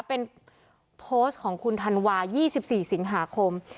เป็นโพสต์ของคุณธันวา๒๔สิงหาคม